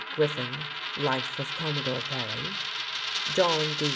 Griffin: Life of Commodore Barry; John D.